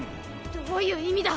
どういう意味だ！？